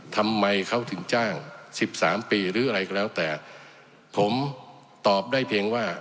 ทำไมเขาถึงจ้างสิบสามปีหรืออะไรก็แล้วแต่ผมตอบได้เพียงว่า